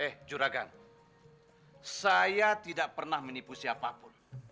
eh juragan saya tidak pernah menipu siapapun